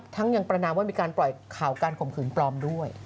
ยังประนามว่ามีการปล่อยข่าวการข่มขืนปลอมด้วย